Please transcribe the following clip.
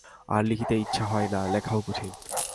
আর লিখিতে ইচ্ছা হয় না–লেখাও কঠিন।